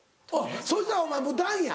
そしたらお前もう段や。